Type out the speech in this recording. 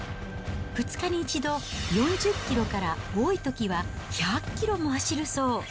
２日に１度、４０キロから多いときは１００キロも走るそう。